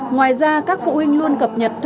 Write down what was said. ngoài ra các phụ huynh luôn cập nhật